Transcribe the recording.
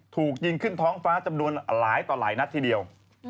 ถูกยิงขึ้นท้องฟ้าจำนวนหลายต่อหลายนัดทีเดียว